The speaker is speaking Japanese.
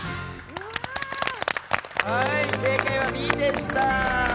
正解はＢでした。